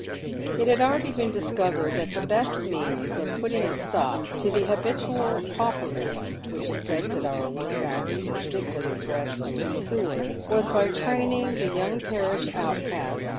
It had already been discovered that the best means of putting a stop to the habitual pauperism which infested our workhouses as thickly as rats do a sewer, was by training the young parish outcasts 48 PAVED WITH GOLD.